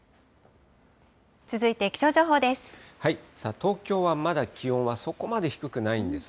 続いて気象情報です。